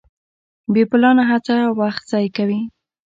بې پلانه هڅه وخت ضایع کوي.